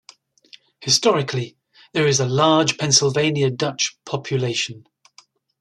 Historically there is a large Pennsylvania Dutch population.